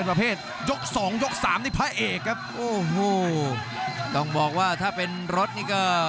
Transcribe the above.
รับทราบบรรดาศักดิ์